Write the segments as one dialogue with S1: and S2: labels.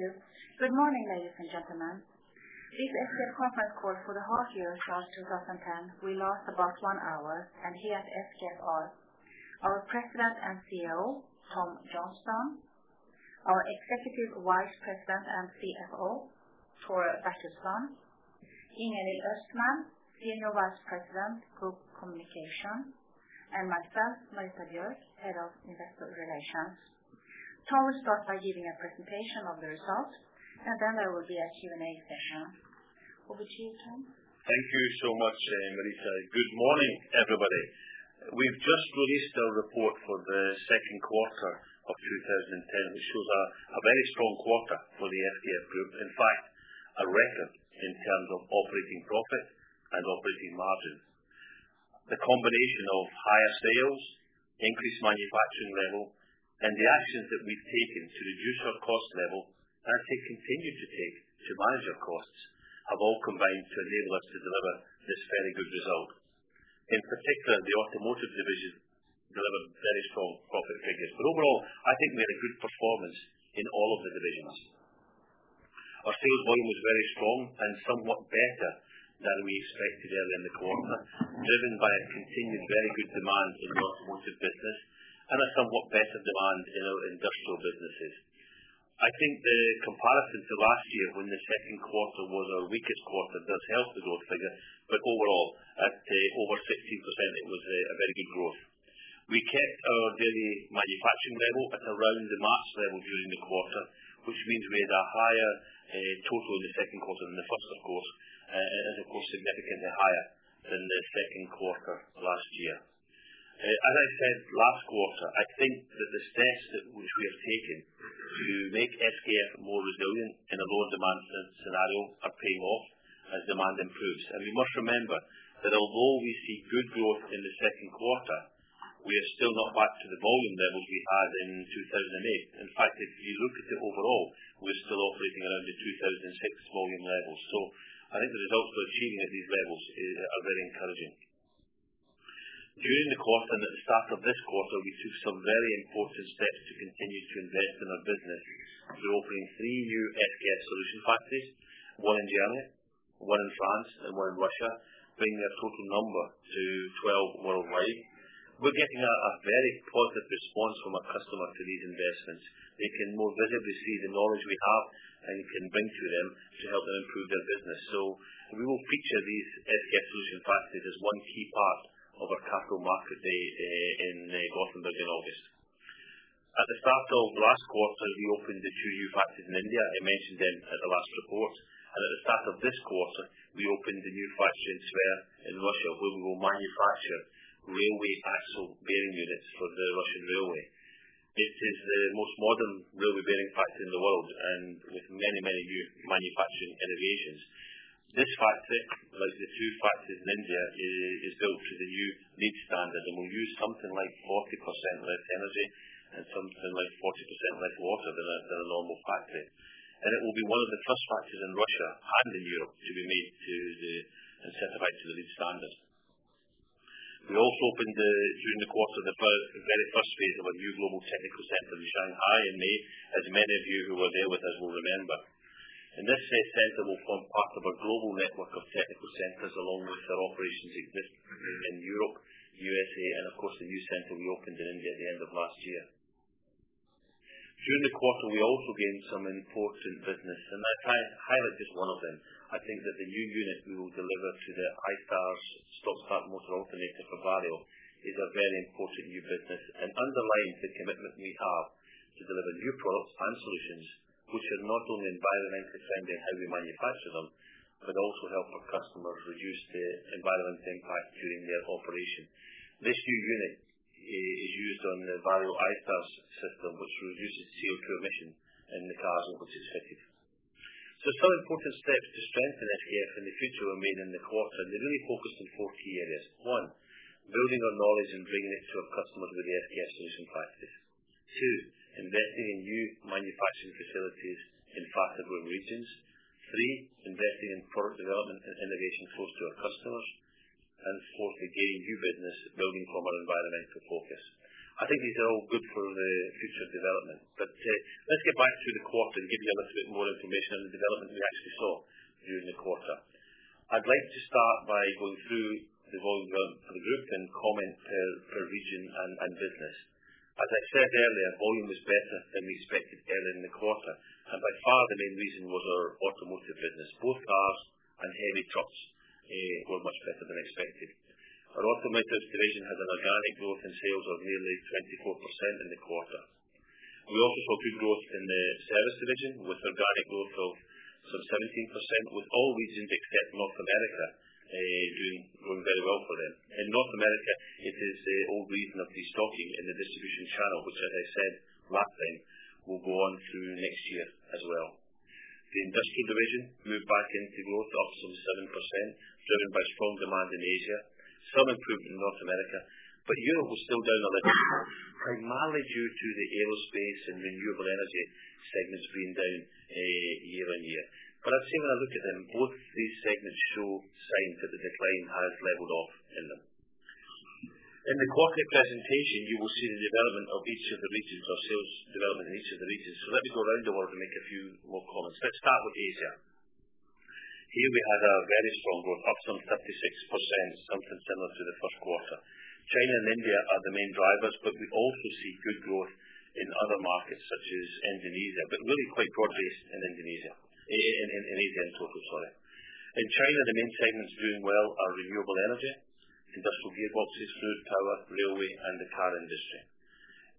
S1: Good morning, ladies and gentlemen. This SKF conference call for the half year of last 2010 will last about one hour, and here at SKF are our President and CEO, Tom Johnstone, our Executive Vice President and CFO, Tore Bertilsson, Senior Vice President, Group Communication, and myself, Marita Björk, Head of Investor Relations. Tom will start by giving a presentation of the results, and then there will be a Q&A session. Over to you, Tom.
S2: Thank you so much, Marita. Good morning, everybody. We've just released our report for the second quarter of 2010, which shows a very strong quarter for the SKF Group. In fact, a record in terms of operating profit and operating margins. The combination of higher sales, increased manufacturing level, and the actions that we've taken to reduce our cost level, and we continue to take to manage our costs, have all combined to enable us to deliver this very good result. In particular, the automotive division delivered very strong profit figures, but overall, I think we had a good performance in all of the divisions. Our sales volume was very strong and somewhat better than we expected earlier in the quarter, driven by a continued very good demand in the automotive business and a somewhat better demand in our industrial businesses. I think the comparison to last year, when the second quarter was our weakest quarter, does help the growth figure, but overall, at over 16%, it was a very good growth. We kept our daily manufacturing level at around the March level during the quarter, which means we had a higher total in the second quarter than the first, of course, and, of course, significantly higher than the second quarter last year. As I said last quarter, I think that the steps that, which we have taken to make SKF more resilient in a lower demand scenario are paying off as demand improves. And we must remember that although we see good growth in the second quarter, we are still not back to the volume levels we had in 2008. In fact, if you look at it overall, we're still operating around the 2006 volume levels. So I think the results we're seeing at these levels are very encouraging. During the quarter and at the start of this quarter, we took some very important steps to continue to invest in our business. We're opening three new SKF Solution Factories, one in Germany, one in France, and one in Russia, bringing their total number to 12 worldwide. We're getting a very positive response from our customer to these investments. They can more visibly see the knowledge we have and can bring to them to help them improve their business. So we will feature these SKF Solution Factories as one key part of our capital market day in Gothenburg in August. At the start of last quarter, we opened the two new factories in India. I mentioned them at the last report. At the start of this quarter, we opened the new factory in Tver, in Russia, where we will manufacture railway axle bearing units for the Russian railway. It is the most modern railway bearing factory in the world, and with many, many new manufacturing innovations. This factory, like the two factories in India, is built to the new LEED standard and will use something like 40% less energy and something like 40% less water than a normal factory. It will be one of the first factories in Russia and in Europe to be made to the incentivized standard. We also opened during the quarter, the very first phase of our new global technical center in Shanghai, in May, as many of you who were there with us will remember. This center will form part of our global network of technical centers, along with our operations exist in Europe, USA, and of course, the new center we opened in India at the end of last year. During the quarter, we also gained some important business, and I can't highlight just one of them. I think that the new unit we will deliver to the i-StARS start-stop motor alternator for Valeo is a very important new business and underlines the commitment we have to deliver new products and solutions which are not only environmentally friendly in how we manufacture them, but also help our customers reduce the environmental impact during their operation. This new unit is used on the Valeo i-StARS system, which reduces CO2 emission in the cars in which it's fitted. So some important steps to strengthen SKF in the future remain in the quarter, and they really focus on four key areas. One, building our knowledge and bringing it to our customers with the SKF solution practice. Two, investing in new manufacturing facilities in faster-growing regions. Three, investing in product development and innovation close to our customers. And four, to gain new business, building upon our environmental focus. I think these are all good for the future development. But, let's get back to the quarter and give you a little bit more information on the development we actually saw during the quarter. I'd like to start by going through the volume growth of the group and comment per region and business. As I said earlier, volume was better than we expected earlier in the quarter, and by far the main reason was our automotive business. Both cars and heavy trucks were much better than expected. Our automotive division had an organic growth in sales of nearly 24% in the quarter. We also saw good growth in the service division, with organic growth of some 17%, with all regions except North America doing, growing very well for them. In North America, it is a overeating of destocking in the distribution channel, which, as I said last time, will go on through next year as well. The industrial division moved back into growth, up some 7%, driven by strong demand in Asia, some improvement in North America, but Europe was still down a little, primarily due to the aerospace and renewable energy segments being down year on year. I'd say, when I look at them, both these segments show signs that the decline has leveled off in them.... In the quarter presentation, you will see the development of each of the regions, our sales development in each of the regions. So let me go around the world and make a few more comments. Let's start with Asia. Here we had a very strong growth, up some 36%, something similar to the first quarter. China and India are the main drivers, but we also see good growth in other markets such as Indonesia, but really quite broad-based in Indonesia, in Asia in total, sorry. In China, the main segments doing well are renewable energy, industrial gearboxes, food, power, railway, and the car industry.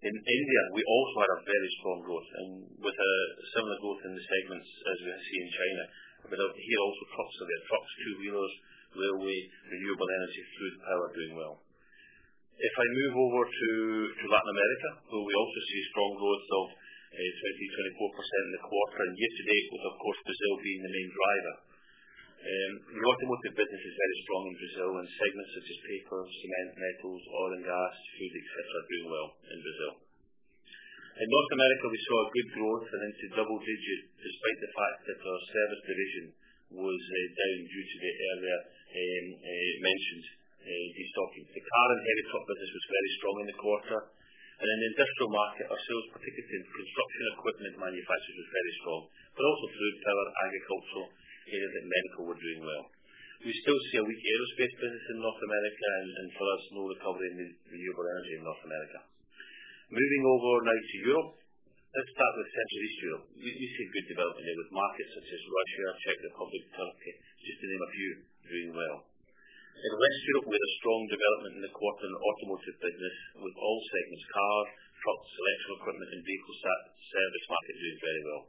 S2: In India, we also had a very strong growth and with a similar growth in the segments as we see in China. But here also trucks, there are trucks, two-wheelers, railway, renewable energy, food, power, doing well. If I move over to, to Latin America, where we also see strong growth of 24% in the quarter and year to date, with, of course, Brazil being the main driver. The automotive business is very strong in Brazil, and segments such as paper, cement, metals, oil and gas, food, etc., are doing well in Brazil. In North America, we saw a good growth into double digits, despite the fact that our service division was down due to the earlier mentioned destocking. The car and heavy truck business was very strong in the quarter, and in the industrial market, our sales, particularly in construction equipment manufacturing, was very strong, but also food, power, agricultural, and medical were doing well. We still see a weak aerospace business in North America and a slow recovery in renewable energy in North America. Moving over now to Europe. Let's start with Central Eastern Europe. We see good development here, with markets such as Russia, Czech Republic, Turkey, just to name a few, doing well. In West Europe, we had a strong development in the quarter in the automotive business, with all segments, cars, trucks, construction equipment, and vehicle service market doing very well.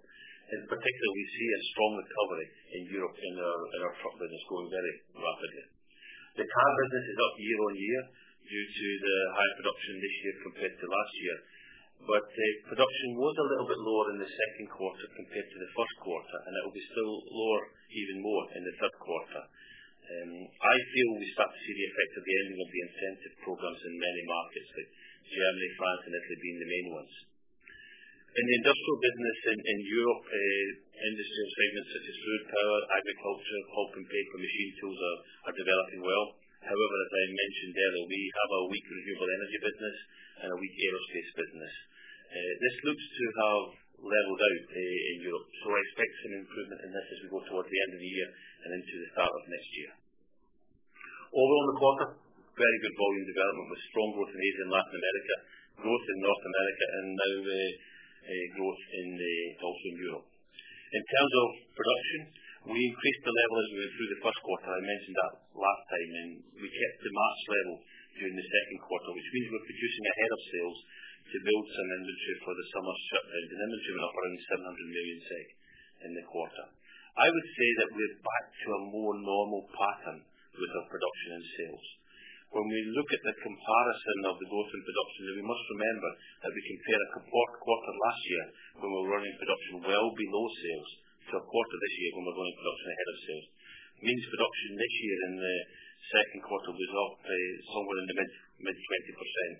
S2: In particular, we see a strong recovery in Europe, in our truck business growing very rapidly. The car business is up year-on-year due to the high production this year compared to last year, but production was a little bit lower in the second quarter compared to the first quarter, and it will be still lower, even more, in the third quarter. I feel we start to see the effect of the ending of the incentive programs in many markets, with Germany, France, and Italy being the main ones. In the industrial business in Europe, industry and segments such as food, power, agriculture, pulp and paper, machine tools are developing well. However, as I mentioned earlier, we have a weak renewable energy business and a weak aerospace business. This looks to have leveled out in Europe, so I expect some improvement in this as we go towards the end of the year and into the start of next year. All in all, in the quarter, very good volume development, with strong growth in Asia and Latin America, growth in North America, and now the growth in Europe also. In terms of production, we increased the level as we went through the first quarter. I mentioned that last time, and we kept the March level during the second quarter, which means we're producing ahead of sales to build some inventory for the summer shipment, an inventory of around 700 million SEK in the quarter. I would say that we're back to a more normal pattern with our production and sales. When we look at the comparison of the growth in production, we must remember that we compare the fourth quarter last year, when we were running production well below sales, to a quarter this year, when we're running production ahead of sales. Means production this year in the second quarter was up somewhere in the mid-20%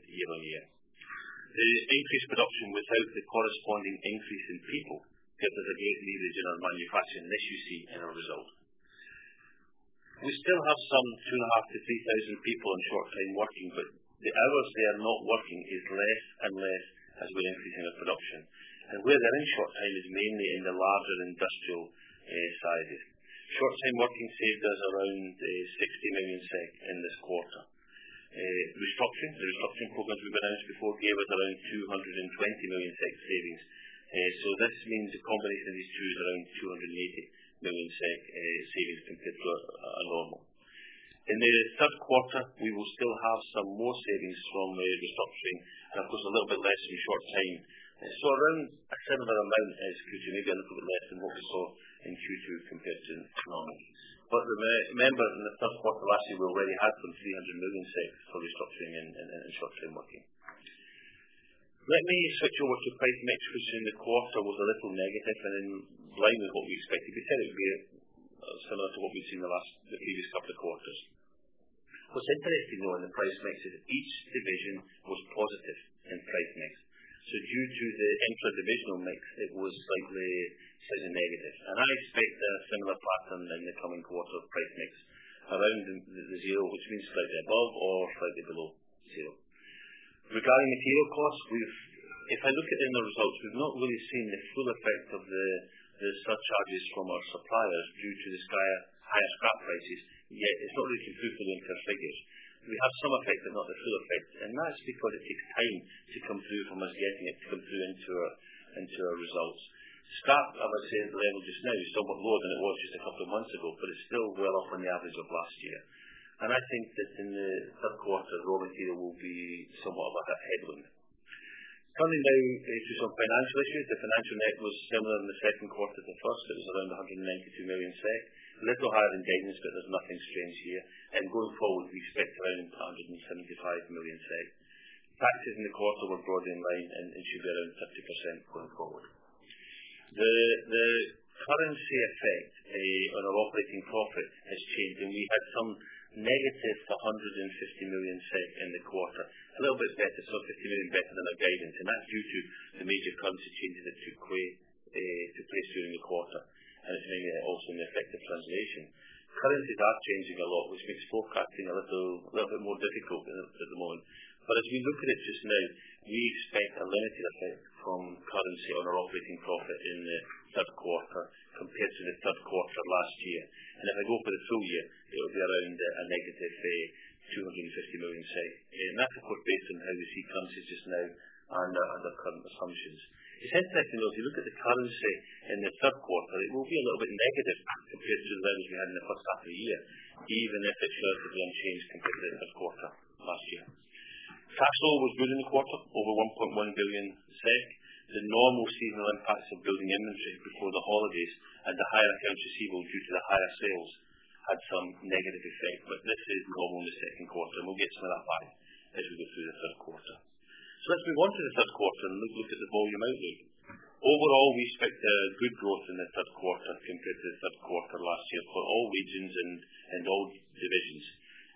S2: year-on-year. There is increased production without the corresponding increase in people. Therefore, there is leverage in our manufacturing, and this you see in our results. We still have some 2,500-3,000 people in short-time working, but the hours they are not working is less and less as we're increasing our production. And where they're in short time is mainly in the larger industrial, side. Short-time working saved us around 60 million in this quarter. Restructuring, the restructuring program we announced before gave us around 220 million savings. So this means a combination of these two is around 280 million, savings in particular, are normal. In the third quarter, we will still have some more savings from the restructuring, and of course, a little bit less in short time. So around a similar amount as, because you may be a little bit less than what we saw in Q2 compared to anomalies. But remember, in the third quarter last year, we already had some 300 million SEK for restructuring and short-time working. Let me switch over to price mix, which in the quarter was a little negative and in line with what we expected. It turned out very similar to what we've seen in the previous couple of quarters. What's interesting, though, in the price mix is each division was positive in price mix, so due to the intra-divisional mix, it was slightly as a negative. And I expect a similar pattern in the coming quarter of price mix around the zero, which means slightly above or slightly below zero. Regarding the raw material costs, we've. If I look at in the results, we've not really seen the full effect of the surcharges from our suppliers due to the sky-high scrap prices, yet. It's not really through to the inter figures. We have some effect, but not the full effect, and that's because it takes time to come through from us getting it to come through into our, into our results. Staff, I would say, at the level just now, is somewhat lower than it was just a couple of months ago, but it's still well off on the average of last year. And I think that in the third quarter, raw material will be somewhat like a headwind. Turning now to some financial issues. The financial net was similar in the second quarter to the first. It was around 192 million. A little higher in debt, but there's nothing strange here. And going forward, we expect around 175 million. Taxes in the quarter were broadly in line and should be around 50% going forward. Currency effect on our operating profit has changed, and we had some negative 150 million in the quarter. A little bit better, so 50 million better than our guidance, and that's due to the major currency changes that took place during the quarter, and it's mainly also an effect of translation. Currencies are changing a lot, which makes forecasting a little bit more difficult at the moment. But as we look at it just now, we expect a limited effect from currency on our operating profit in the third quarter compared to the third quarter of last year. If I go for the full year, it'll be around a negative 250 million. And that's, of course, based on how we see currencies just now and, and our current assumptions. It's interesting, though, if you look at the currency in the third quarter, it will be a little bit negative compared to the level we had in the first half of the year, even if it shows as unchanged compared to the third quarter last year. Cash flow was good in the quarter, over 1.1 billion SEK. The normal seasonal impacts of building inventory before the holidays and the higher accounts receivable due to the higher sales had some negative effect, but this is normal in the second quarter, and we'll get some of that back as we go through the third quarter. So let's move on to the third quarter and look at the volume outlook. Overall, we expect a good growth in the third quarter compared to the third quarter last year for all regions and all divisions.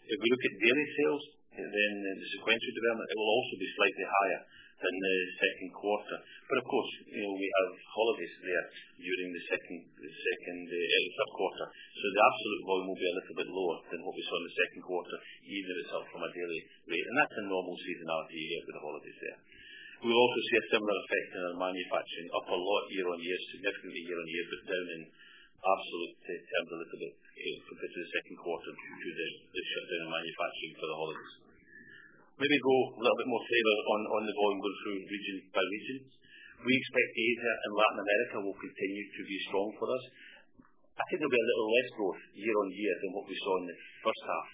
S2: If we look at daily sales, then the sequential development will also be slightly higher than the second quarter. But of course, you know, we have holidays there during the third quarter. So the absolute volume will be a little bit lower than what we saw in the second quarter, even if it's up from a daily rate. And that's a normal seasonal out here for the holidays there. We'll also see a similar effect in our manufacturing, up a lot year-on-year, significantly year-on-year, but down in absolute terms a little bit, compared to the second quarter due to the shutdown in manufacturing for the holidays. Let me go a little bit more detail on the volume, go through region by regions. We expect Asia and Latin America will continue to be strong for us. I think there'll be a little less growth year-over-year than what we saw in the first half,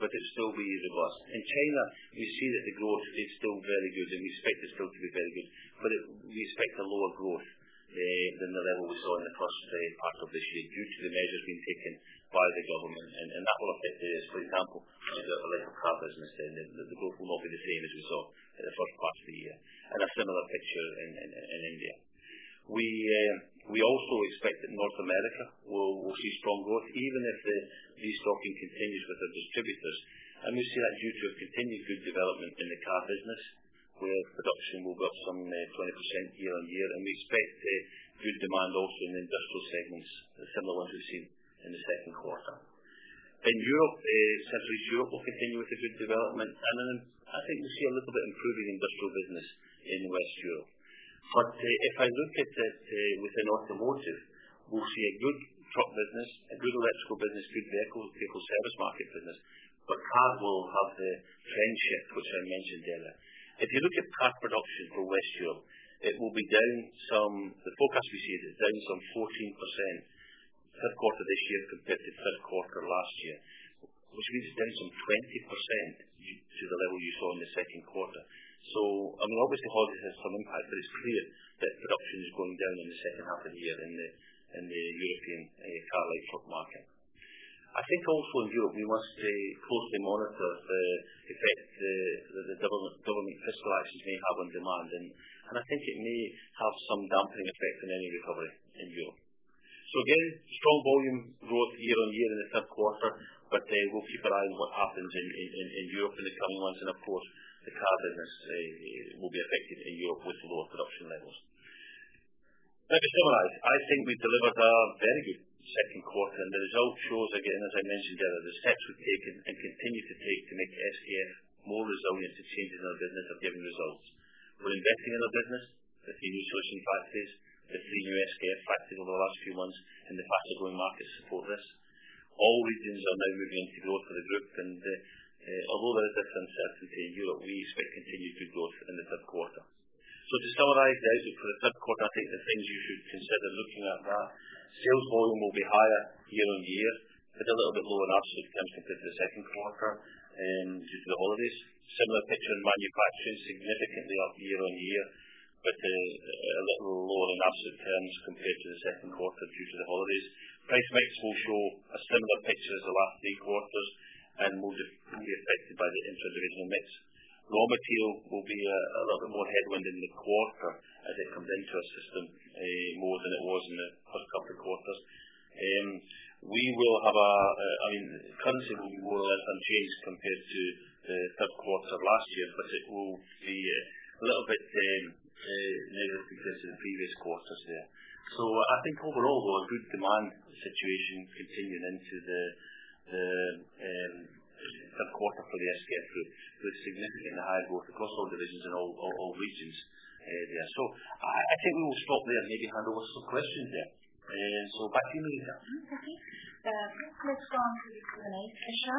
S2: but it'll still be very robust. In China, we see that the growth is still very good, and we expect it still to be very good, but we expect a lower growth than the level we saw in the first part of this year due to the measures being taken by the government. That will affect this. For example, in the electric car business, the growth will not be the same as we saw in the first part of the year. A similar picture in India. We also expect that North America will see strong growth, even if the restocking continues with the distributors. And we see that due to a continued good development in the car business, where production will be up some 20% year-on-year, and we expect a good demand also in the industrial segments, similar to what we've seen in the second quarter. In Europe, Central Europe will continue with the good development, and then I think we'll see a little bit improving industrial business in West Europe. But if I look at the within automotive, we'll see a good truck business, a good electrical business due to the equal service market business, but car will have the trend shift, which I mentioned earlier. If you look at car production for West Europe, it will be down some... The forecast we see is down some 14%, third quarter this year compared to third quarter last year, which means it's down some 20% due to the level you saw in the second quarter. So I mean, obviously, holiday has some impact, but it's clear that production is going down in the second half of the year in the European car light truck market. I think also in Europe, we must closely monitor the effect the government fiscal actions may have on demand. And I think it may have some damping effect on any recovery in Europe. So again, strong volume growth year-on-year in the third quarter, but we'll keep our eye on what happens in Europe in the coming months. Of course, the car business will be affected in Europe with lower production levels. Let me summarize. I think we delivered a very good second quarter, and the result shows again, as I mentioned earlier, the steps we've taken and continue to take to make SKF more resilient to changes in our business are giving results. We're investing in our business, a few new sourcing factories, a three new SKF factories over the last few months, and the faster growing markets support this. All regions are now moving into growth for the group, and although there is this uncertainty in Europe, we expect continued good growth in the third quarter. So to summarize the outlook for the third quarter, I think the things you should consider looking at that, sales volume will be higher year-on-year, but a little bit lower in absolute terms compared to the second quarter, due to the holidays. Similar picture in manufacturing, significantly up year-on-year, but a little lower in absolute terms compared to the second quarter due to the holidays. Price mix will show a similar picture as the last three quarters and will be primarily affected by the intra-regional mix. Raw material will be a little bit more headwind in the quarter as it comes into our system, more than it was in the first couple of quarters. We will have a... I mean, currency will be more or less unchanged compared to the third quarter of last year, but it will be a little bit lower because of the previous quarters there. So I think overall, though, a good demand situation continuing into the third quarter for the SKF Group, with significant high growth across all divisions and all regions there. So I think we will stop there and maybe handle some questions there. So back to you, Linda.
S3: Okay. First call is from the line of Tricia.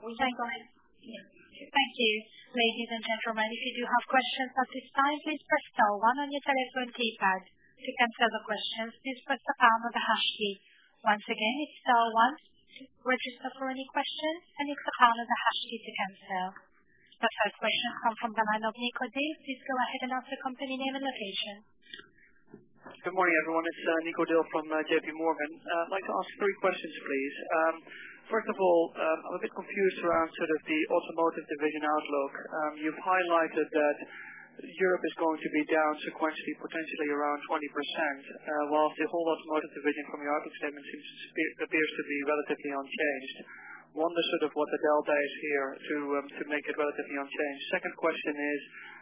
S3: We can go ahead. Yeah. Thank you, ladies and gentlemen. If you do have questions at this time, please press star one on your telephone keypad. To cancel the questions, please press the pound or the hash key. Once again, it's star one to register for any questions, and it's the pound or the hash key to cancel. The first question comes from the line of Nico Dil. Please go ahead and state the company name and location.
S4: Good morning, everyone. It's Nico Dil from JPMorgan. I'd like to ask three questions, please. First of all, I'm a bit confused around sort of the automotive division outlook. You've highlighted that Europe is going to be down sequentially, potentially around 20%, while the whole automotive division from your outlook seems, appears to be relatively unchanged. Wonder, sort of what the delta is here to, to make it relatively unchanged? Second question is,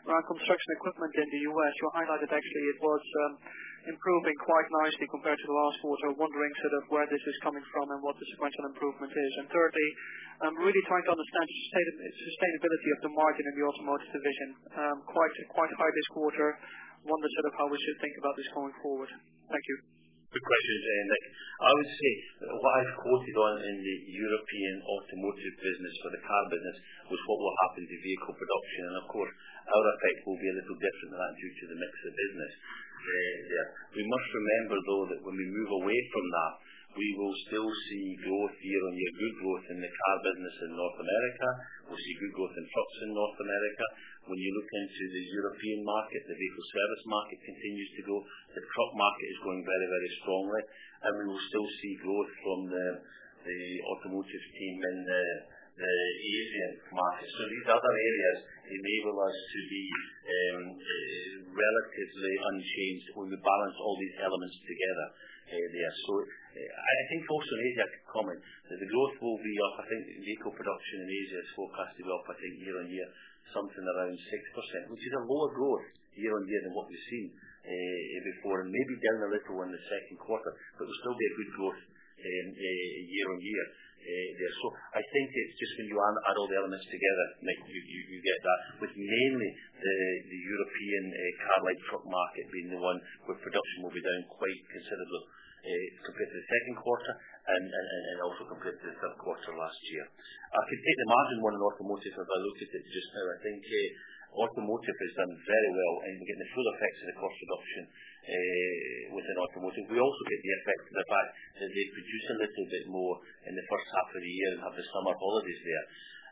S4: around construction equipment in the U.S., you highlighted actually it was improving quite nicely compared to the last quarter. Wondering sort of where this is coming from and what the sequential improvement is. And thirdly, I'm really trying to understand sustainability of the margin in the automotive division. Quite, quite high this quarter. Wonder, sort of how we should think about this going forward. Thank you.
S2: Good questions, Nick. I would say that what I've quoted on in the European automotive business or the car business, was what will happen to vehicle production. Of course, our effect will be a little different than that due to the mix of business, there. We must remember, though, that when we move away from that, we will still see growth here, and good growth in the car business in North America. We'll see good growth in trucks in North America. When you look into the European market, the vehicle service market continues to grow. The truck market is growing very, very strongly, and we will still see growth from the automotive team in the Asian market. These other areas enable us to be relatively unchanged when you balance all these elements together, there. So I think also Asia comment, that the growth will be up. I think vehicle production in Asia is forecasted up, I think, year-on-year, something around 6%, which is a lower growth year-on-year than what we've seen before, and maybe down a little in the second quarter, but there'll still be a good growth year-on-year there. So I think it's just when you add all the elements together, Nick, you get that, with mainly the European car like truck market being the one where production will be down quite considerable compared to the second quarter and also compared to the third quarter last year. I can take the margin one on automotive, as I noted it just now. I think, automotive has done very well in getting the full effects of the cost reduction, within automotive. We also get the effect of the fact that they produce a little bit more in the first half of the year and have the summer holidays there.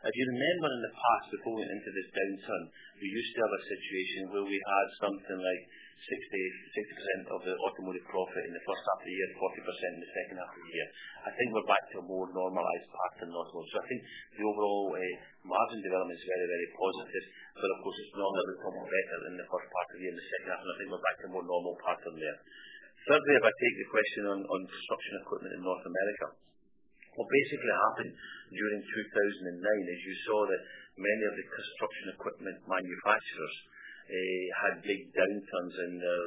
S2: If you remember in the past, before we went into this downturn, we used to have a situation where we had something like 66% of the automotive profit in the first half of the year and 40% in the second half of the year. I think we're back to a more normalized pattern now. So I think the overall, margin development is very, very positive. But of course, it's normally perform better in the first part of the year and the second half, and I think we're back to a more normal pattern there. Thirdly, if I take your question on construction equipment in North America. What basically happened during 2009, is you saw that many of the construction equipment manufacturers had big downturns in their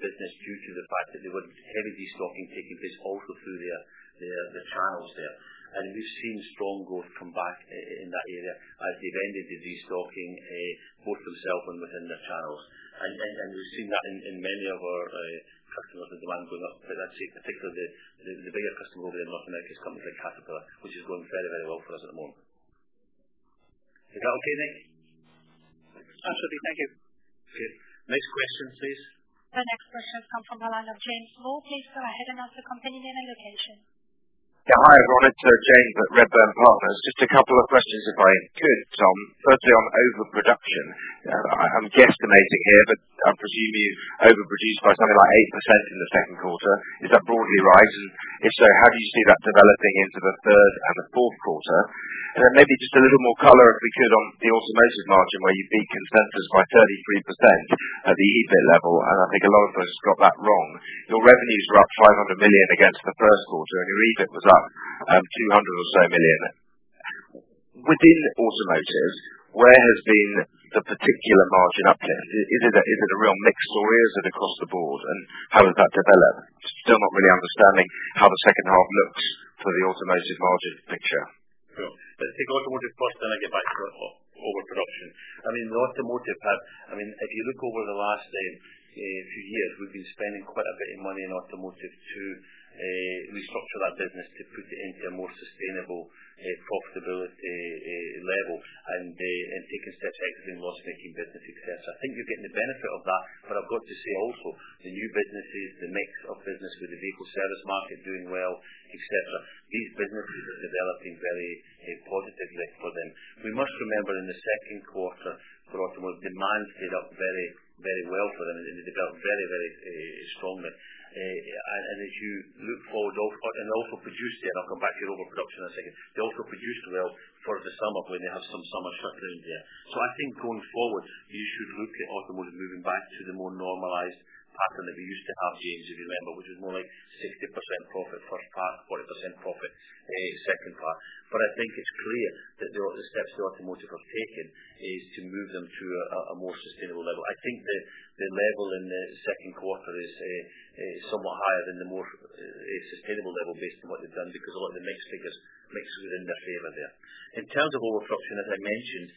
S2: business due to the fact that there was heavy destocking taking place also through their channels there. And we've seen strong growth come back in that area as they've ended the destocking both themselves and within their channels. And we've seen that in many of our customers, the demand going up. But actually, particularly the bigger customer over in North America is coming from Caterpillar, which is going very, very well for us at the moment. Is that okay, Nick?
S4: Absolutely. Thank you.
S2: Okay. Next question, please.
S3: The next question come from the line of James Goodall. Please go ahead and announce the company and your location.
S5: Yeah. Hi, everyone. It's James at Redburn Partners. Just a couple of questions, if I could, Tom. Firstly, on overproduction. I'm guesstimating here, but I'm presuming you overproduced by something like 8% in the second quarter. Is that broadly right? And if so, how do you see that developing into the third and the fourth quarter? And then maybe just a little more color, if we could, on the automotive margin, where you beat consensus by 33% at the EBIT level, and I think a lot of us got that wrong. Your revenues were up 500 million against the first quarter, and your EBIT was up two hundred or so million. Within automotive, where has been the particular margin uptick? Is it a real mix, or is it across the board, and how has that developed? Still not really understanding how the second half looks for the automotive margin picture.
S2: Sure. Let's take automotive first, then I get back to overproduction. I mean, the automotive has. I mean, if you look over the last few years, we've been spending quite a bit of money in automotive to restructure that business to put it into a more sustainable profitability level, and taking steps out of the loss-making business, et cetera. I think we're getting the benefit of that, but I've got to say also, the new businesses, the mix of business with the vehicle service market doing well, et cetera, these businesses are developing very positively for them. We must remember in the second quarter, for automotive, demand paid off very, very well for them, and they developed very, very strongly. And as you look forward, oh, and they also produced, yeah, I'll come back to your overproduction in a second. They also produced well for the summer when you have some summer shutdowns there. So I think going forward, you should look at automotive moving back to the more normalized pattern that we used to have, James, if you remember, which is more like 60% profit first half, 40% profit second half. But I think it's clear that the steps that automotive have taken is to move them to a more sustainable level. I think the level in the second quarter is somewhat higher than the more sustainable level based on what they've done, because a lot of the mix figures, mixes in their favor there. In terms of overproduction, as I mentioned,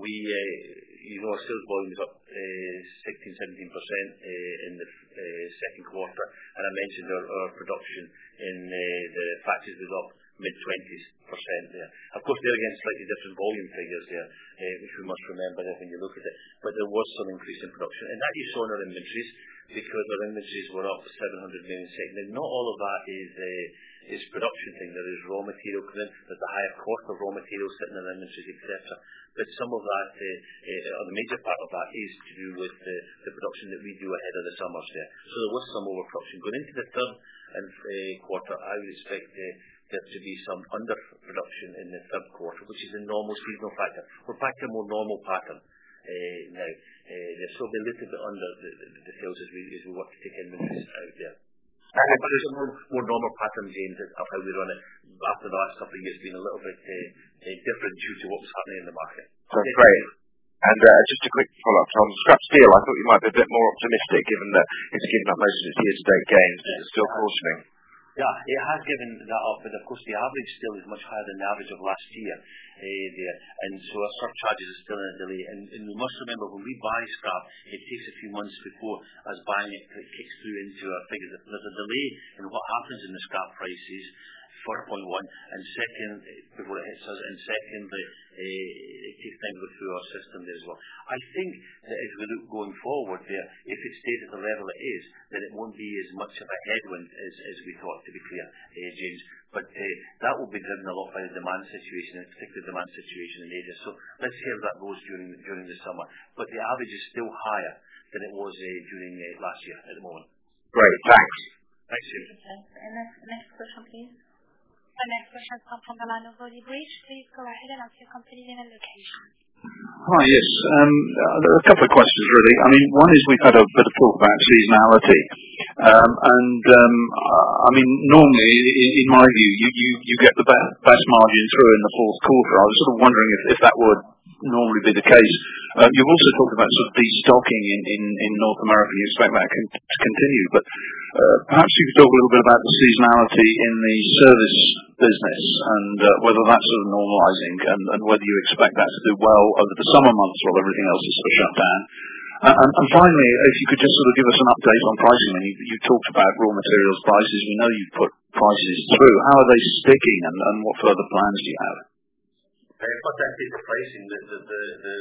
S2: we, you know, our sales volume is up 16%-17% in the second quarter. I mentioned our production in the factories was up mid-20s% there. Of course, they're again, slightly different volume figures there, if you must remember that when you look at it, but there was some increase in production. And that you saw in our inventories, because our inventories were up 700 million. And not all of that is production thing. There is raw material content. There's a higher cost of raw materials sitting in inventory, etc. But some of that or the major part of that is to do with the production that we do ahead of the summer sale. So there was some overproduction. Going into the third quarter, I expect there to be some underproduction in the third quarter, which is a normal seasonal pattern. We're back to a more normal pattern now. So we look at the underlying fields as we work to take in the next year. But there's a more normal pattern again, in terms of how we run it. After the last couple of years being a little bit different due to what was happening in the market.
S5: Great. Just a quick follow-up on scrap steel. I thought you might be a bit more optimistic, given that it's given up most of its year-to-date gains. Is it still costing?
S2: Yeah, it has given that up, but of course, the average still is much higher than the average of last year. Yeah, and so our surcharges are still in a delay. And you must remember, when we buy scrap, it takes a few months before us buying it, it kicks through into our figures. There's a delay in what happens in the scrap prices, for one. And second, it takes time to go through our system as well. I think that if we look going forward, if it stays at the level it is, then it won't be as much of a headwind as we thought, to be clear, James. But that will be driven a lot by the demand situation, in particular, the demand situation in Asia. So let's see how that goes during the summer. But the average is still higher than it was during last year at the moment.
S5: Great. Thanks.
S2: Thanks, James. Next, next question, please.
S3: The next question comes from the line of Oli Bridge. Please go ahead and state your company and your location.
S6: Hi, yes. A couple of questions, really. I mean, one is we've had a bit of talk about seasonality. And, I mean, normally in my view, you get the best margin through in the fourth quarter. I was sort of wondering if that would normally be the case. You also talked about sort of destocking in North America, and you expect that to continue. But, perhaps you could talk a little bit about the seasonality in the service business and whether that's sort of normalizing and whether you expect that to do well over the summer months while everything else is sort of shut down. And finally, if you could just sort of give us an update on pricing. I mean, you talked about raw materials prices. We know you've put prices through. How are they sticking, and what further plans do you have?
S2: I think the pricing, the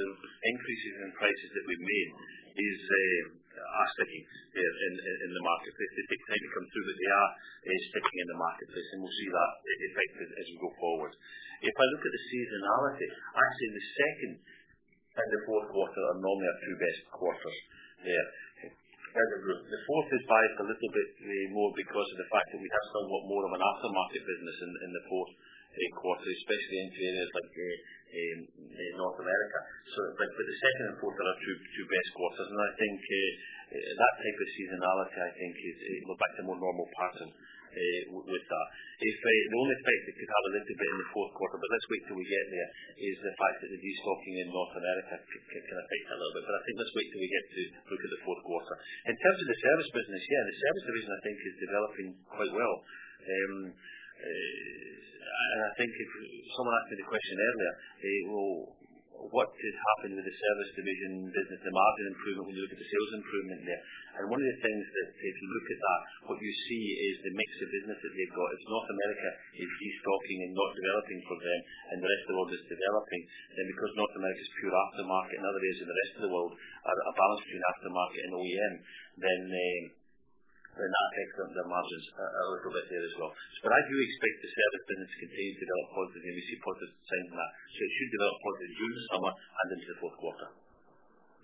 S2: increases in prices that we've made are sticking in the market. They're coming through, they are sticking in the market, and we'll see that effect as we go forward. If I look at the seasonality, actually, the second and the fourth quarter are normally our two best quarters in the group. The fourth is biased a little bit more because of the fact that we have somewhat more of an aftermarket business in the fourth quarter, especially into areas like North America. For the second and fourth, they are two best quarters, and I think that type of seasonality, I think, is go back to more normal pattern with that. The only effect it could have a little bit in the fourth quarter, but let's wait till we get there, is the fact that the destocking in North America can affect another. But I think let's wait till we get through to the fourth quarter. In terms of the service business, yeah, the service division, I think, is developing quite well. I think if someone asked me the question earlier, well, what could happen to the service division, business demand improvement, and there's a sales improvement there. One of the things that if you look at that, what you see is the mix of business that we've got. It's North America is destocking and not developing for them, and the rest of the world is developing. Because North America is pure aftermarket, and other areas of the rest of the world are a balance between aftermarket and OEM, then that affects the margins a little bit there as well. But I do expect the service business to continue to develop positively. We see positive signs in that. So it should develop positively during the summer and into the fourth quarter.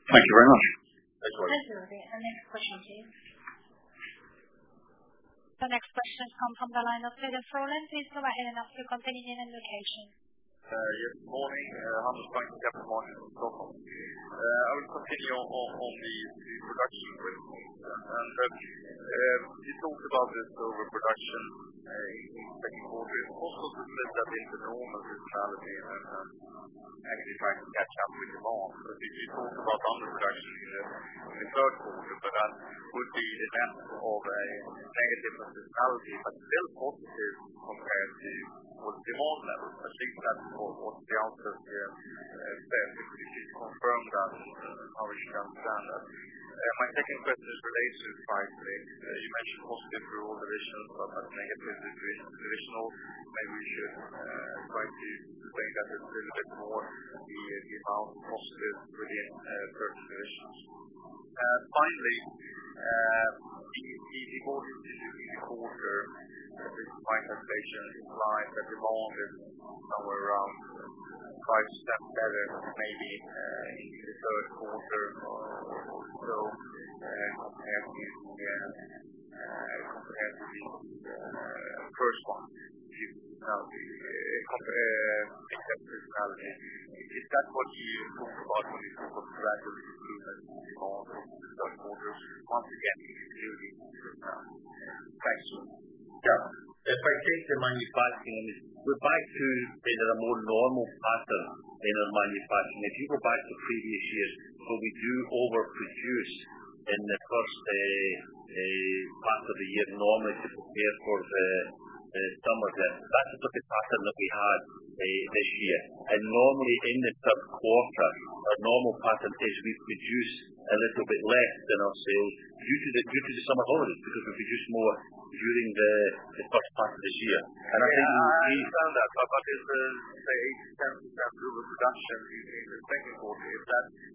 S6: Thank you very much.
S2: Thanks.
S3: Thank you. Our next question, please. The next question comes from the line of Peter Warren Please go ahead and state your company and your location.
S7: Yes, good morning. Peter Froelen with SocGen. I would continue on the production. You talked about this overproduction in the second quarter, also the mix of the normal seasonality and in fact match up with demand. But if you talked about underproduction in the third quarter, but that would be the result of a different seasonality, but still positive compared to what demand level. I think that what the answer said, if we confirm that, how we can understand that. My second question is related to pricing. As you mentioned, positive raw materials, but a negative traditional, maybe we should try to take that a little bit more and be positive with the third versions. Finally, do you order, do you order by inflation in mind, that the market somewhere around 5% better, maybe, in the third quarter or so, as we, as we, first one, we check the reality. Is that what you would expect to see that all fourth quarters once again, next one?
S2: Yeah. If I take the manufacturing, we're back to in a more normal pattern in our manufacturing. If you go back to previous years, where we do overproduce in the first part of the year, normally to prepare for the summer dip. That's the type of pattern that we had this year. And normally, in the third quarter, our normal pattern says we produce a little bit less than our sales due to the summer holidays, because we produce more during the first part of this year. And I think we-
S7: That is the overproduction in the second quarter. Is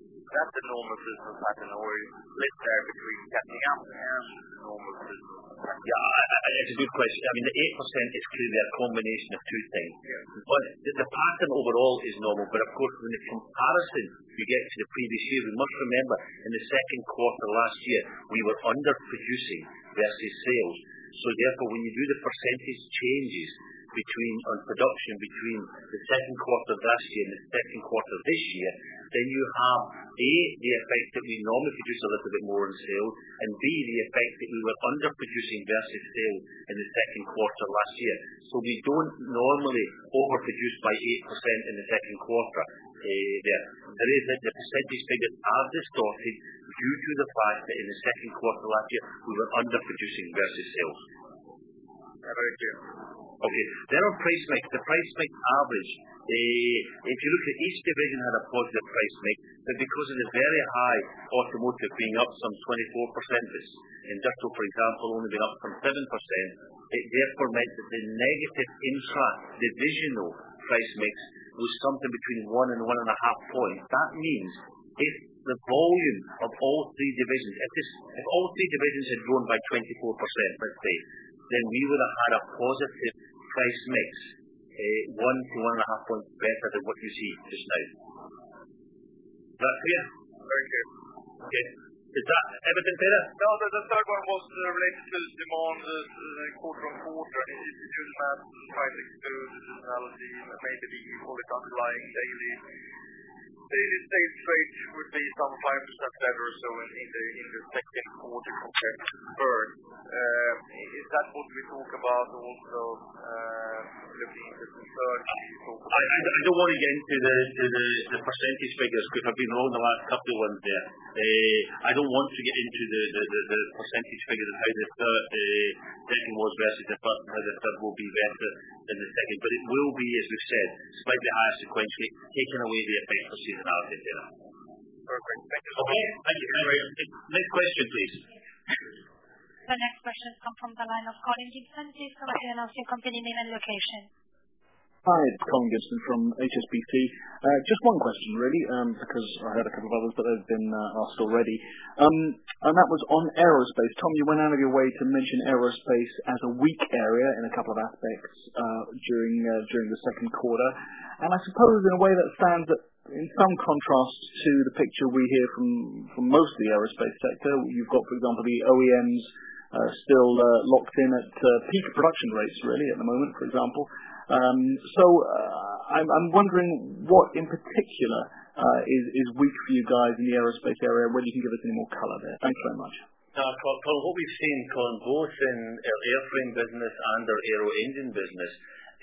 S7: that enormous? Is the second or less, between cutting out enormous is?
S2: Yeah, that's a good question. I mean, the 8% is clearly a combination of two things.
S7: Yeah.
S2: On, the pattern overall is normal, but of course, when the comparison you get to the previous year, we must remember, in the second quarter last year, we were underproducing versus sales. So therefore, when you do the percentage changes between, production between the second quarter of last year and the second quarter of this year, then you have, A, the effect that we normally produce a little bit more in sales, and B, the effect that we were underproducing versus sales in the second quarter last year. So we don't normally overproduce by 8% in the second quarter, yeah. The reason the percentage figures are distorted due to the fact that in the second quarter last year, we were underproducing versus sales.
S7: Very clear.
S2: Okay. Then on price mix, the price mix average. If you look at each division had a positive price mix, but because of the very high automotive being up some 24%, industrial, for example, only been up from 7%. It therefore meant that the negative intra-divisional price mix was something between 1 and 1.5 points. That means if the volume of all three divisions, if all three divisions had grown by 24%, let's say, then we would have had a positive price mix, 1 to 1.5 points better than what you see just now. Is that clear?
S7: Very clear.
S2: Okay. Is that everything, Peter?
S7: No, the third one was related to the demand in quarter four, 2022, about pricing power analysis made to be for the underlying daily. The safe rate would be some time in September, so in the second quarter compared to the third. Is that what we talk about also, looking at the third quarter?
S2: I don't want to get into the percentage figures, because I've been wrong the last couple ones there. I don't want to get into the percentage figures of how the third, second was versus the third, how the third will be better than the second. But it will be, as we've said, slightly higher sequentially, taking away the effects I've seen earlier.
S7: Perfect. Thank you.
S2: Okay. Thank you very much. Next question, please.
S3: The next question has come from the line of Colin Gibson. Please go ahead and announce your company name and location.
S8: Hi, Colin Gibson from HSBC. Just one question really, because I had a couple of others, but they've been asked already. And that was on aerospace. Tom, you went out of your way to mention aerospace as a weak area in a couple of aspects, during the second quarter. And I suppose in a way that stands that in some contrast to the picture we hear from most of the aerospace sector. You've got, for example, the OEMs still locked in at peak production rates really at the moment, for example. So I'm wondering what in particular is weak for you guys in the aerospace area, and whether you can give us any more color there? Thanks very much.
S2: Colin, what we've seen, Colin, both in our airframe business and our aero engine business,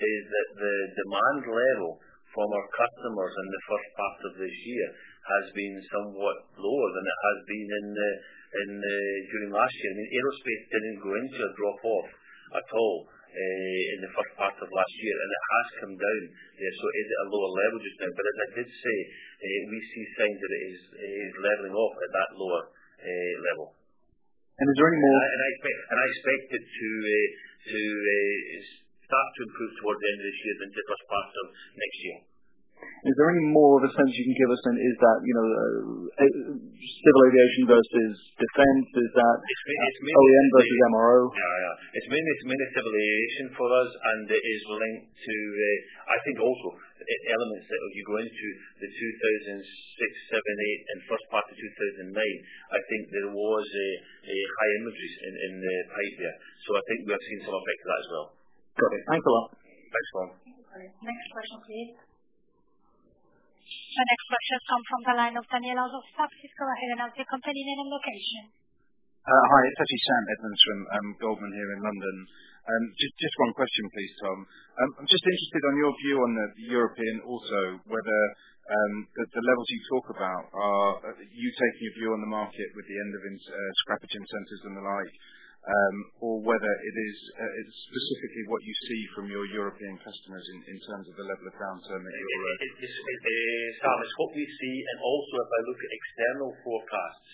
S2: is that the demand level from our customers in the first part of this year has been somewhat lower than it has been in during last year. I mean, aerospace didn't go into a drop off at all, in the first part of last year, and it has come down. Yeah, so it's at a lower level just now, but as I did say, we see signs that it is leveling off at that lower level.
S8: Is there any more-
S2: I expect it to start to improve towards the end of this year and the first part of next year.
S8: Is there any more of a sense you can give us than is that, you know, civil aviation versus defense? Is that-
S2: It's mainly.
S8: OEM versus MRO?
S2: Yeah, yeah. It's mainly, it's mainly civil aviation for us, and it is linked to, I think also e-elements that will be going through 2006, 2007, 2008 and first part of 2009. I think there was a high inventories in 2008 there. So I think we are seeing some effect of that as well.
S8: Perfect. Thanks a lot.
S2: Thanks, Colin.
S3: Next question, please. The next question comes from the line of Daniela from Cisco. Go ahead and announce your company name and location.
S9: Hi, it's actually Sam Edwards from Goldman here in London. Just one question, please, Tom. I'm just interested on your view on the European auto, whether the levels you talk about are you taking a view on the market with the end of scrappage incentives and the like, or whether it's specifically what you see from your European customers in terms of the level of downturn that you're in?
S2: Sam, what we see and also if I look at external forecasts,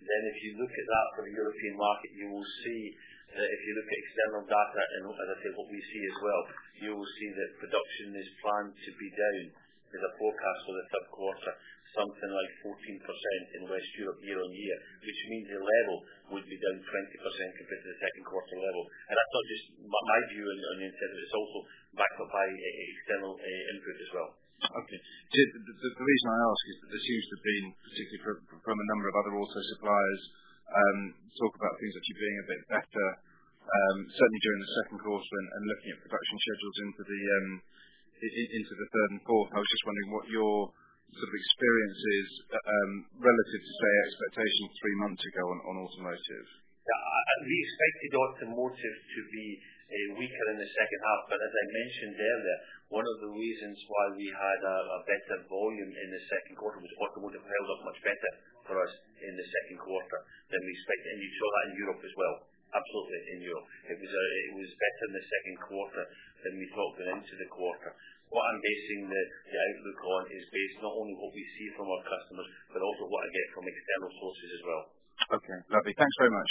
S2: then if you look at that for the European market, you will see, if you look at external data and I think what we see as well, you will see that production is planned to be down to the forecast for the third quarter, something like 14% in West Europe, year-over-year. Which means your level would be down 20% compared to the second quarter level. And that's not just my view on the intent, it's also backed up by external input as well.
S9: Okay. The reason I ask is that there seems to have been, specifically from a number of other auto suppliers, talk about things actually being a bit better, certainly during the second quarter and looking at production schedules into the third and fourth. I was just wondering what your sort of experience is, relative to, say, expectations three months ago on automotive?
S2: Yeah, we expected automotive to be weaker in the second half, but as I mentioned earlier, one of the reasons why we had a better volume in the second quarter was automotive held up much better for us in the second quarter than we expected. And you saw that in Europe as well. Absolutely, in Europe. It was it was better in the second quarter than we thought going into the quarter. What I'm basing the outlook on is based not only what we see from our customers, but also what I get from external sources as well.
S9: Okay, lovely. Thanks very much....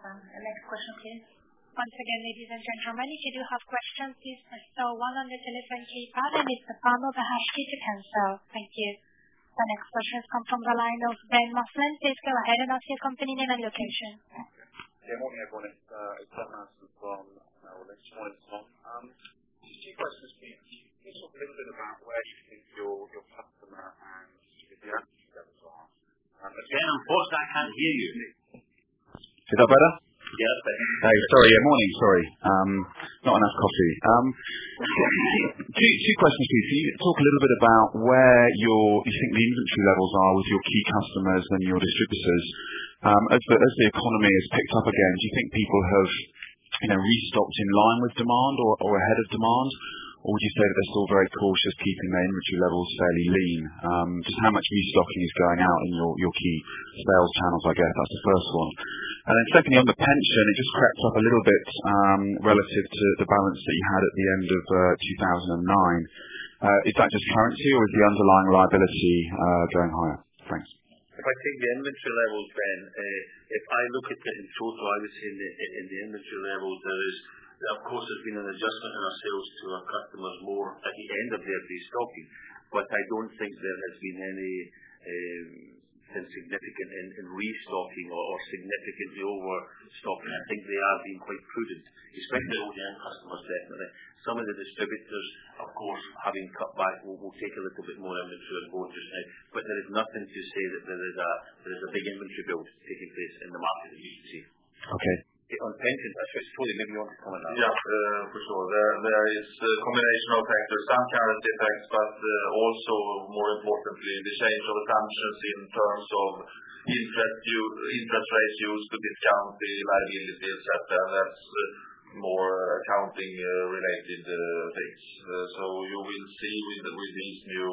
S3: Question, please. Once again, ladies and gentlemen, how many of you have questions, please? So one on the telephone, Keith Adam, it's inaudible. Thank you. The next question come from the line of Ben Maslen. Please go ahead, and state your company name and your location.
S6: Good morning, everyone. It's inaudible from, electronic spot. Two questions please. Can you talk a little bit about where you think your customer inventory levels are?
S2: Again, what? I can't hear you.
S6: Is that better?
S2: Yes.
S6: Hey, sorry. Good morning. Sorry. Not enough coffee. Two questions please. Can you talk a little bit about where your... you think the inventory levels are with your key customers and your distributors? As the economy has picked up again, do you think people have, you know, restocked in line with demand or ahead of demand? Or would you say that they're still very cautious, keeping their inventory levels fairly lean? Just how much restocking is going out in your key sales channels, I guess, that's the first one. And then secondly, on the pension, it just crept up a little bit, relative to the balance that you had at the end of 2009. Is that just currency or is the underlying liability going higher? Thanks.
S2: If I take the inventory levels then, if I look at it in total, obviously in the inventory levels, there is, of course, there's been an adjustment in our sales to our customers more at the end of their restocking. But I don't think there has been any significant in restocking or significant overstocking. I think they are being quite prudent, despite the industrial customers, definitely. Some of the distributors, of course, having cut back, will take a little bit more inventory on board as well. But there is nothing to say that there is a big inventory build taking place in the market that you see.
S6: Okay.
S2: On pension, I'm sure Tore, you want to comment on that.
S10: Yeah. For sure. There is a combination of factors, some currency effects, but also more importantly, the change of assumptions in terms of interest rates used to discount the liabilities, that that's more accounting related things. So you will see with these new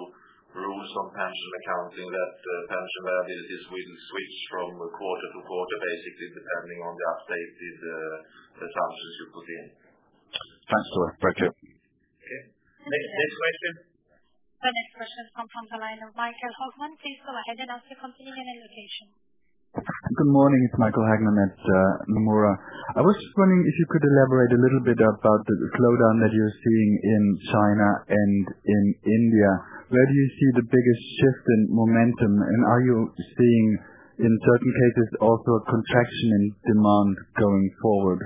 S10: rules on pension accounting, that pension liabilities will switch from quarter to quarter, basically, depending on the updated assumptions you put in.
S6: Thanks for that. Thank you.
S2: Okay. Next, next question.
S3: The next question comes from the line of Michael Hagmann. Please go ahead and state your company and your location.
S11: Good morning. It's Michael Hagmann at Nomura. I was just wondering if you could elaborate a little bit about the slowdown that you're seeing in China and in India. Where do you see the biggest shift in momentum? And are you seeing, in certain cases, also a contraction in demand going forward?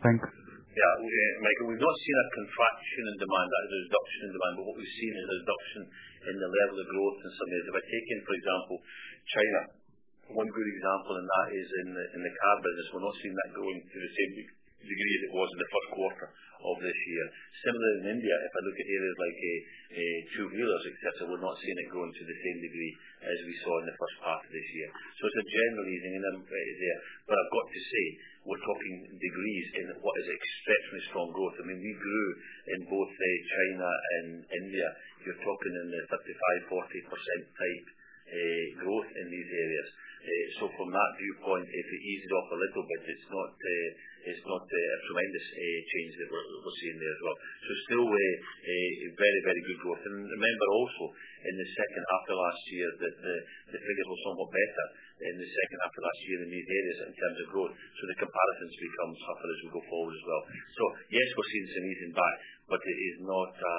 S11: Thanks.
S2: Yeah. Okay, Michael, we've not seen a contraction in demand, as a reduction in demand, but what we've seen is a reduction in the level of growth in some areas. If I take, for example, China, one good example in that is in the car business. We're not seeing that growing to the same degree as it was in the first quarter of this year. Similarly, in India, if I look at areas like two-wheelers, et cetera, we're not seeing it growing to the same degree as we saw in the first half of this year. So it's a general easing in them there. But I've got to say, we're talking degrees in what is exceptionally strong growth. I mean, we grew in both China and India. We're talking in the 35%-40% type growth in these areas. So from that viewpoint, if it eases off a little bit, it's not, it's not a tremendous change that we're seeing there as well. So still, a very, very good growth. And remember also, in the second half of last year, that the figures were somewhat better in the second half of last year in these areas in terms of growth, so the comparisons become tougher as we go forward as well. So yes, we're seeing some easing back, but it is not a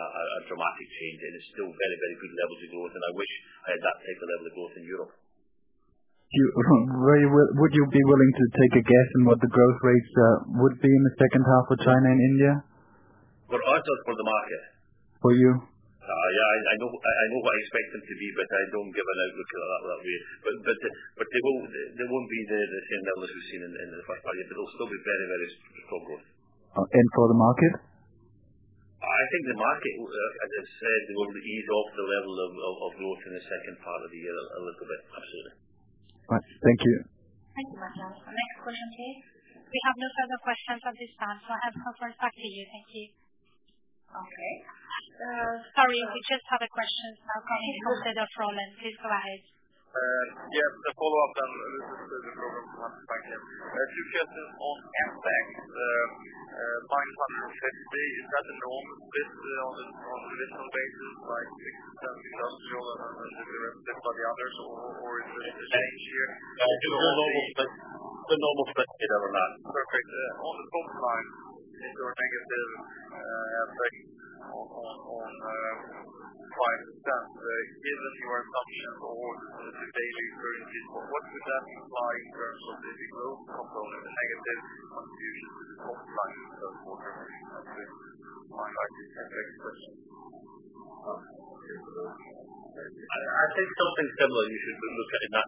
S2: dramatic change, and it's still very, very good levels of growth, and I wish I had that type of level of growth in Europe.
S11: Would you be willing to take a guess on what the growth rates would be in the second half of China and India?
S2: For us, or for the market?
S11: For you.
S2: Yeah, I know what I expect them to be, but I don't give an outlook for that way. But they won't be the same level as we've seen in the first part. It'll still be very, very strong growth.
S11: For the market?
S2: I think the market will, as I've said, ease off the level of growth in the second part of the year, a little bit. That's it.
S11: Right. Thank you.
S3: Thank you, Michael. Next question, please. We have no further questions at this time, so I'll hand back to you. Thank you.
S2: Okay.
S3: Sorry, we just have a question from Roland. Please go ahead.
S5: Yeah, the follow-up then. You get the most impact by country, is that on a, on a regional basis, like, industrial and then by the others, or, or is it-
S2: The normal split. The normal split, yeah.
S5: Perfect. On the cost side, is there a negative effect on, like the function or the day you brought in? What is that, like, versus the growth or the negative contribution?
S2: I think something similar, you should look at it that,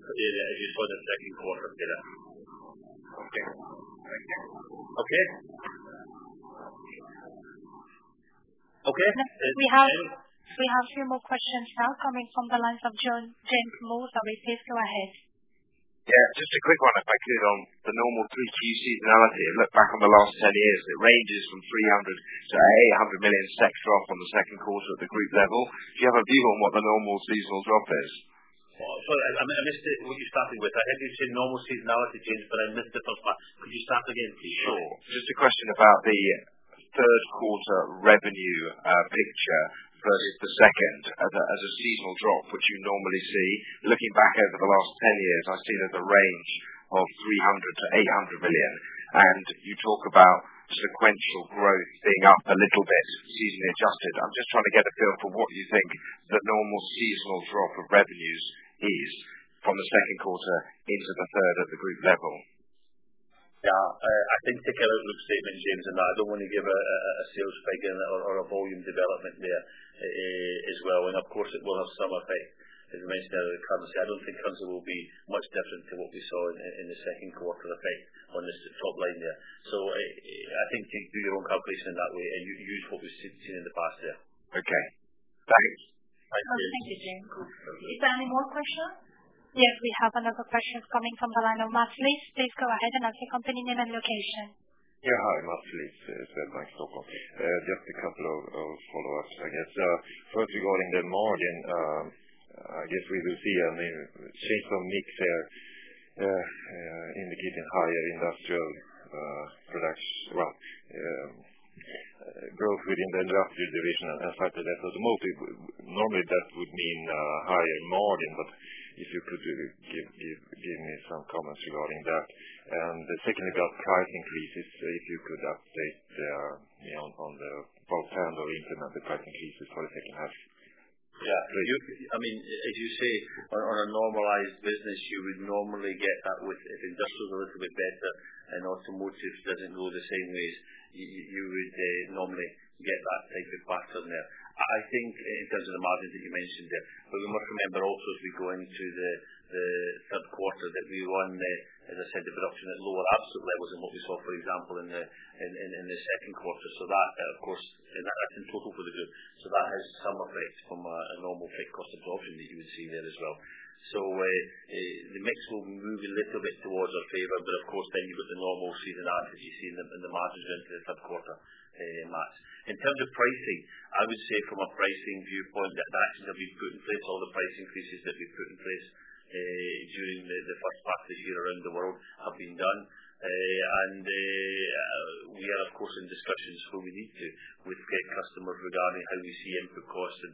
S2: before the second quarter together.
S5: Okay. Thank you.
S2: Okay. Okay.
S3: We have two more questions now coming from the lines of John Moore from UBS. Please go ahead.
S12: Yeah, just a quick one, if I could, on the normal Q2 seasonality. I look back on the last 10 years, it ranges from 300 million-100 million drop on the second quarter at the group level. Do you have a view on what the normal seasonal drop is?
S2: Oh, sorry, I missed it, what you started with. I heard you say normal seasonality change, but I missed the first part. Could you start again, please?
S12: Sure. Just a question about the third quarter revenue picture versus the second as a seasonal drop, which you normally see. Looking back over the last 10 years, I've seen it a range of 300 million-800 million, and you talk about sequential growth being up a little bit, seasonally adjusted. I'm just trying to get a feel for what you think the normal seasonal drop of revenues is from the second quarter into the third at the group level.
S2: Yeah. I think take out of the statement, James, and I don't want to give a sales figure or a volume development there, as well. Of course, it will have some effect, as you mentioned earlier, in Console. I don't think Console will be much different from what we saw in the second quarter effect on this, the top line there. So I think you do your own calculation that way, and use what we've seen in the past there.
S12: Okay. Thanks.
S1: No, thank you, James. Is there any more questions?
S3: Yes, we have another question coming from the line of Matt Miksic. Please go ahead and state your company name and location.
S13: Yeah. Hi, Matt Miksic, with Barclays. Just a couple of follow-ups, I guess. First of all, in the margin, I guess we will see, I mean, change from mix, indicating higher industrial production, well, growth within the industrial division, aside from that, because normally that would mean higher margin. But if you could give me some comments regarding that. And the second is about price increases, if you could update, you know, on the long term or implement the price increases for the second half?
S2: Yeah. You, I mean, as you say, on a normalized business, you would normally get that with if industrial's a little bit better and automotive doesn't go the same way, you would normally get that type of pattern there. I think in terms of the margin that you mentioned there, but you must remember also, as we go into the third quarter, that we run the, as I said, the production at lower absolute levels than what we saw, for example, in the second quarter. So that, of course, in that, I think total for the group. So that has some effect from a normal fixed cost absorption that you would see there as well. So, the mix will move a little bit towards our favor, but of course, then you've got the normal seasonality that you see in the margins into the third quarter months. In terms of pricing, I would say from a pricing viewpoint, that the actions that we've put in place, all the price increases that we've put in place, during the first part of this year around the world have been done. And, we are of course in discussions where we need to with customers regarding how we see input costs and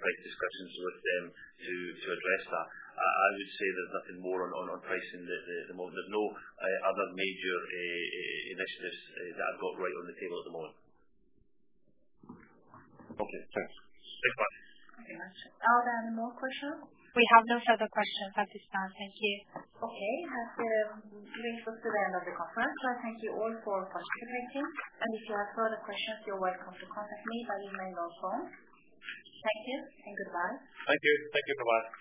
S2: price discussions with them to address that. I would say there's nothing more on pricing at the moment. There's no other major initiatives that I've got right on the table at the moment.
S13: Okay. Thanks. Bye-bye.
S1: Okay, thank you. Are there any more questions?
S3: We have no further questions at this time. Thank you.
S1: Okay, that's brings us to the end of the conference. Thank you all for participating. If you have further questions, you're welcome to contact me by email or phone. Thank you and goodbye.
S2: Thank you. Thank you, bye-bye.